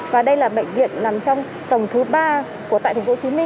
và đây là bệnh viện nằm trong tổng thứ ba tại tp hcm